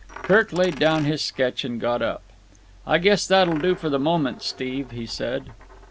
Kirk laid down his sketch and got up. "I guess that'll do for the moment, Steve," he said.